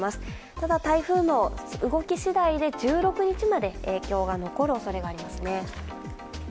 ただ、台風の動きしだいで１６日まで影響が残るおそれがあります。